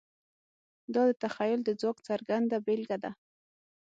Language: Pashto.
دا د تخیل د ځواک څرګنده بېلګه ده.